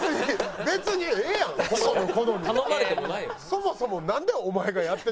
そもそもなんでお前がやってるの？